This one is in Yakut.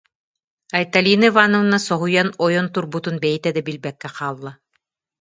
Айталина Ивановна соһуйан ойон турбутун бэйэтэ да билбэккэ хаалла